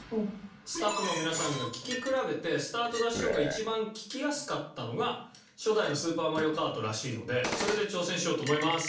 スタッフの皆さんが聴き比べてスタートダッシュ音が一番聴きやすかったのが初代の『スーパーマリオカート』らしいのでそれで挑戦しようと思います。